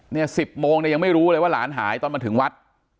๑๐โมงเนี่ยยังไม่รู้เลยว่าหลานหายตอนมาถึงวัด